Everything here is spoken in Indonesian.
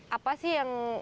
apa sih yang